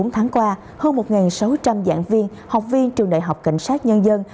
bốn tháng qua hơn một sáu trăm linh giảng viên học viên trường đại học cảnh sát nhân dân